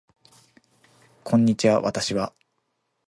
こんにちは私は